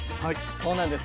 そうなんです